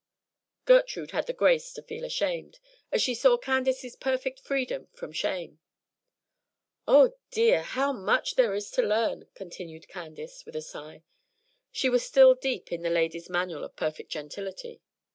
Gertrude had the grace to feel ashamed, as she saw Candace's perfect freedom from shame. "Oh, dear! how much there is to learn!" continued Candace, with a sigh. She was still deep in the "Ladies' Manual of Perfect Gentility."